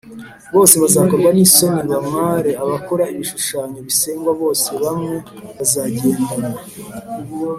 Bose bazakorwa n isoni bamware Abakora ibishushanyo bisengwa bose hamwe bazagendana